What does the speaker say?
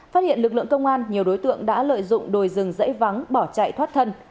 phát hiện lực lượng công an nhiều đối tượng đã lợi dụng đồi rừng dãy vắng bỏ chạy thoát thân